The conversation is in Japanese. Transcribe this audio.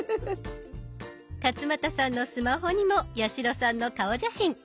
勝俣さんのスマホにも八代さんの顔写真。